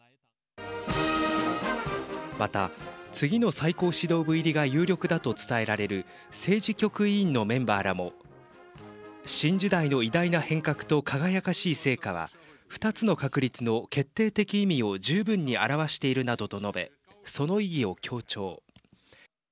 また、次の最高指導部入りが有力だと伝えられる政治局委員のメンバーらも新時代の偉大な変革と輝かしい成果は２つの確立の決定的意味を十分に表しているなどと述べその意義を強調。